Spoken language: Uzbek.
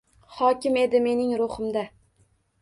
Hokim edi mening ruhimda